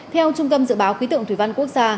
theo trung tâm dự báo khí tượng thủy văn quốc gia